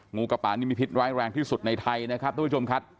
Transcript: งูกระป๋นี่มีพิษร้ายแรงที่สุดในไทยนะครับทุกผู้ชมครับ